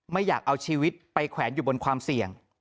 ไม่อยากเอาชีวิตไปแขวนอยู่บนความเสี่ยง